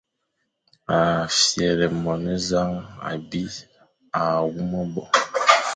A fyelé monezañ abi à wu me bo,